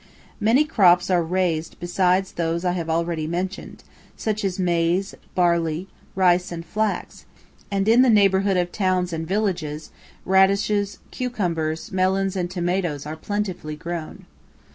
Many crops are raised besides those I have already mentioned, such as maize, barley, rice, and flax, and in the neighbourhood of towns and villages radishes, cucumbers, melons, and tomatoes are plentifully grown.